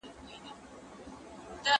پښتو په ډیجیټل نړۍ کې خپل ځای غواړي.